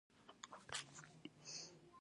اوړي د افغانستان د طبیعت برخه ده.